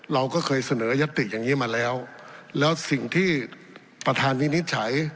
เราก็เคยเสนอยัตติอย่างนี้มาแล้วแล้วสิ่งที่ประธานวินิจฉัย